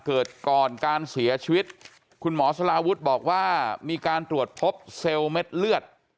เกิดก่อนการเสียชีวิตคุณหมอสลาวุฒิบอกว่ามีการตรวจพบเซลล์เม็ดเลือด